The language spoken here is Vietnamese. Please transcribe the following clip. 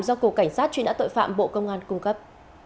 do cục cảnh sát truy nã tội phạm bộ công an cung cấp